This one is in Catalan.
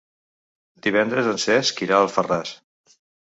Divendres en Cesc irà a Alfarràs.